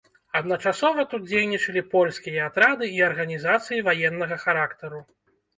Адначасова тут дзейнічалі польскія атрады і арганізацыі ваеннага характару.